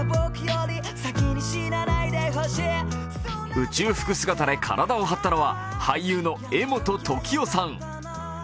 宇宙服姿で体を張ったのは俳優の柄本時生さん。